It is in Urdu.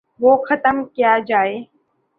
وہ ختم کیا جائے۔